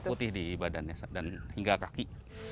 putih di badannya dan hingga kaki